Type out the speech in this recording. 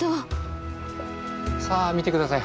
さあ見て下さい。